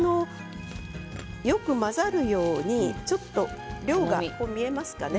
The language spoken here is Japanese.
よく混ざるようにちょっと量が見えますか。